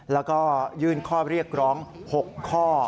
แล้วก็ยื่นข้อเรียกร้อง๖ข้อ